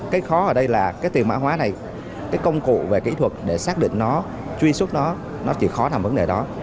cái khó ở đây là cái tiền mã hóa này cái công cụ về kỹ thuật để xác định nó truy xuất nó nó chỉ khó nằm vấn đề đó